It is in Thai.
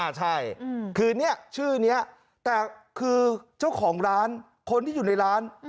ใช่คือเนี่ยชื่อนี้แต่คือเจ้าของร้านคนที่อยู่ในร้าน